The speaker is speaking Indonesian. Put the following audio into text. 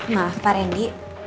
maaf pak randy